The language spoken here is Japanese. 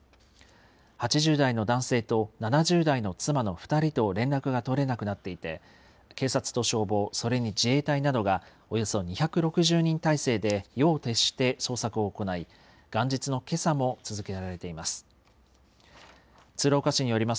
８０代の男性と７０代の妻の２人と連絡が取れなくなっていて、警察と消防、それに自衛隊などが、およそ２６０人態勢で夜を徹して捜索を行い、元日のけさも続けられています。